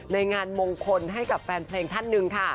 ในงานมงคลให้กับแฟนเพลงท่านหนึ่งค่ะ